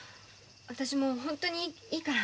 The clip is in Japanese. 私もう本当にいいから。